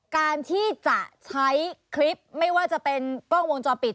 การที่จะใช้คลิปไม่ว่าจะเป็นกล้องวงจรปิด